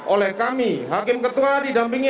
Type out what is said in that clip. oleh kami hakim ketua didampingi